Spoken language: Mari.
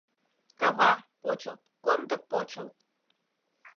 — Кава, почылт, комдык почылт!